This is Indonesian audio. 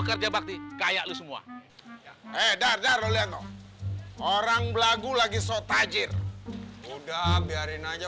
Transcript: kerja bakti kayak lu semua eh dar dar oleh orang belagu lagi so tajir udah biarin aja